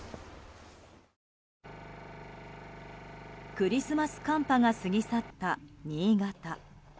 クリスマス寒波が過ぎ去った新潟。